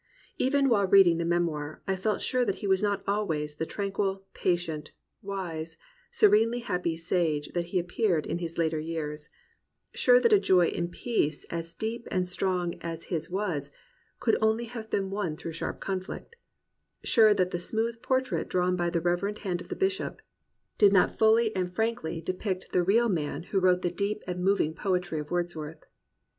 Even while reading the Memoir, I felt sure that he was not always the tranquil, patient, wise, se renely happy sage that he appeared in his later years, — sure that a joy in peace as deep and strong as his was, could only have been won through sharp conflict, — sure that the smooth portrait drawn by the reverent hand of the bishop did not fully and 191 COMPANIONABLE BOOKS frankly depict the real man who wrote the deep and moving poetry of Wordsworth.